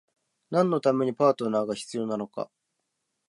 何のためにパートナーが必要なのか？